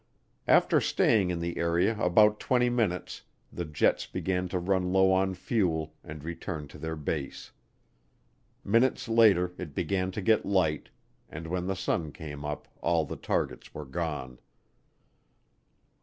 After staying in the area about twenty minutes, the jets began to run low on fuel and returned to their base. Minutes later it began to get light, and when the sun came up all the targets were gone.